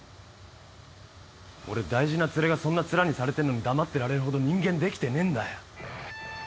俺大事なツレがそんなツラにされてんのに黙ってられるほど人間できてねえんだよ。